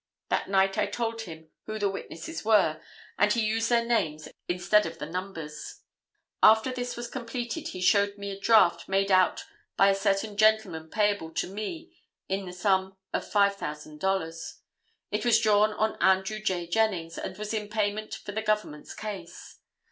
That night I told him who the witnesses were and he used their names instead of the numbers. After this was completed he showed me a draft made out by a certain gentleman payable to me in the sum of $5000. It was drawn on Andrew J. Jennings, and was in payment for the government's case.